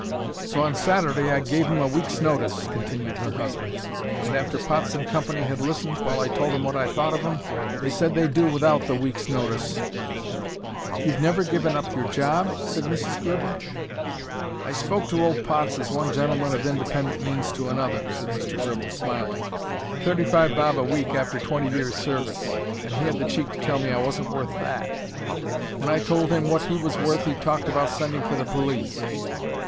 "So on Saturday I gave 'em a week's notice," continued her husband, "and after Potts and Co. had listened while I told 'em what I thought of 'em, they said they'd do without the week's notice." "You've never given up your job?" said Mrs. Gribble. "I spoke to old Potts as one gentleman of independent means to another," said Mr. Gribble, smiling. "Thirty five bob a week after twenty years' service! And he had the cheek to tell me I wasn't worth that. When I told him what he was worth he talked about sending for the police.